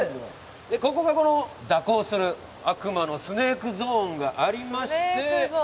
でここがこの蛇行する悪魔のスネイクゾーンがありまして。